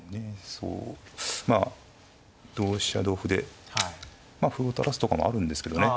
そうまあ同飛車同歩でまあ歩垂らすとかもあるんですけどね